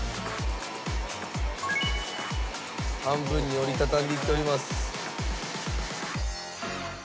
「半分に折り畳んでいっております」